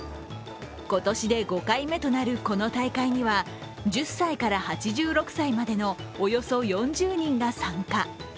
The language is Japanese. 今年で５回目となるこの大会には１０歳から８６歳までのおよそ４０人が参加。